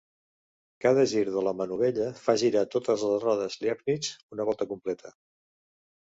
Cada gir de la manovella fa girar totes les rodes Leibniz una volta completa.